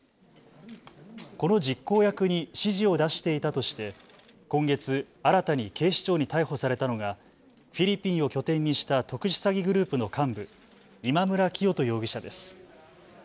この実行役に指示を出していたとして今月新たに警視庁に逮捕されたのがフィリピンを拠点にした特殊詐欺グループの幹部、今村磨人容疑者です。